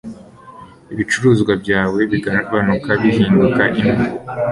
ibicuruzwa byawe bigabanuka bihinduka impu